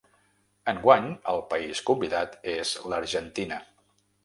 Enguany, el país convidat és l’Argentina.